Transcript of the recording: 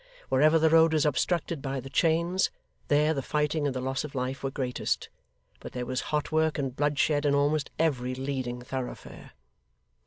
Wherever the road was obstructed by the chains, there the fighting and the loss of life were greatest; but there was hot work and bloodshed in almost every leading thoroughfare.